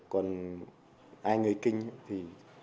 còn ai người kinh thì